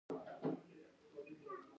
مرکه باید د دواړو لپاره عادلانه وي.